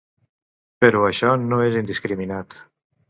Però això no és indiscriminat.